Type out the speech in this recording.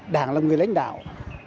đảng là người lãnh đạo